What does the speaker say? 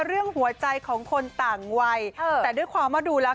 เรื่องหัวใจของคนต่างวัยแต่ด้วยความว่าดูแล้ว